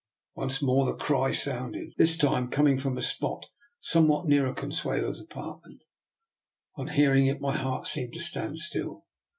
Once more the cry sounded, this time coming from a spot somewhat near er Consuelo's apartment. On hearing it, my heart seemed to stand still.